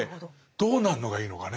どうなるのがいいのかね。